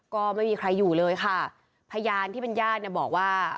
ก็ไม่มีใครอยู่เลยค่ะพยานที่เป็นญาติเนี่ยบอกว่า